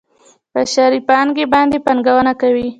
بشري پانګې باندې پانګونه کوي.